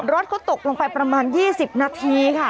รถเขาตกลงไปประมาณ๒๐นาทีค่ะ